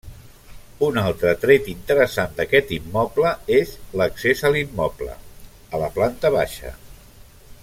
Un altre tret interessant d'aquest immoble és l'accés a l'immoble, a la planta baixa.